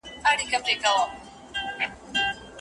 ایا لارښود د خپلو شاګردانو مخالفت منلی سي؟